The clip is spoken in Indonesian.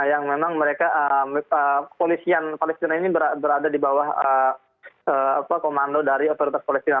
yang memang mereka polisian palestina ini berada di bawah komando dari otoritas palestina